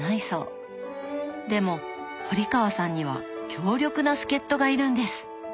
でも堀川さんには強力な助っ人がいるんです！